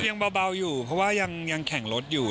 ยังเบาอยู่เพราะว่ายังแข่งรถอยู่